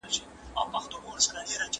که رنګ وي نو ګل نه سپین پاتې کیږي.